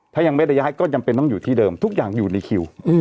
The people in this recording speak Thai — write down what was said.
ถ้ายังไม่ได้ย้ายก็จำเป็นต้องอยู่ที่เดิมทุกอย่างอยู่ในคิว